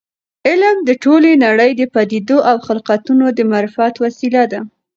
علم د ټولې نړۍ د پدیدو او خلقتونو د معرفت وسیله ده.